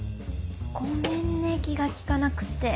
ごめんね気が利かなくって。